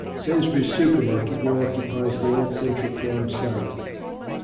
Sainsbury's Supermarket now occupies the old Central Ground site.